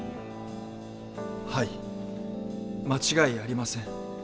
はい間違いありません。